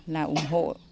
là ủng hộ